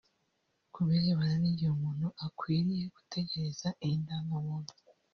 Ku birebana n’igihe umuntu akwiriye gutegereza iyi ndangamuntu